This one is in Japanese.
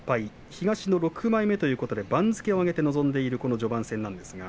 東の６枚目で番付を上げて臨んでいる序盤戦です。